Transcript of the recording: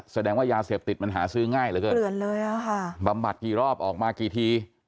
แสดงว่ายาเสพติดมันหาซื้อง่ายเหลือเกินเลยอ่ะค่ะบำบัดกี่รอบออกมากี่ที